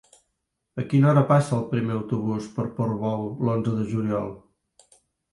A quina hora passa el primer autobús per Portbou l'onze de juliol?